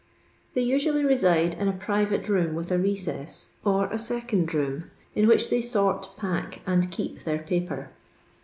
They usually reside in a private room with a recess, or a second room, in which they sort, pack, and keep their paper.